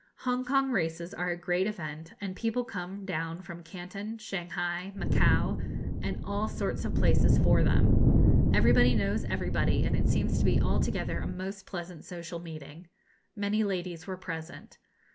Hongkong races are a great event, and people come down from Canton, Shanghai, Macao, and all sorts of places for them. Everybody knows everybody, and it seems to be altogether a most pleasant social meeting. Many ladies were present.